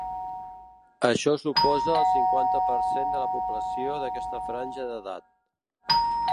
Això suposa el cinquanta per cent de la població d’aquesta franja d’edat.